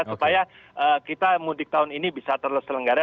supaya kita mudik tahun ini bisa terus selenggara